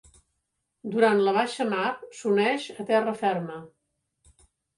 Durant la baixamar s'uneix a terra ferma.